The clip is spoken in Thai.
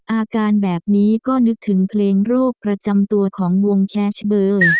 อาการแบบนี้ก็นึกถึงเพลงโรคประจำตัวของวงแคชเบอร์